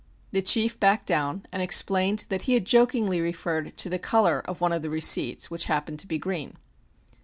The chief backed down, and explained that he had jokingly referred to the color of one of the receipts which happened to be green.